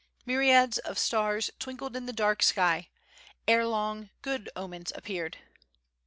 Myriads of stars twinkled in the dark sky; ere long good omens appeared.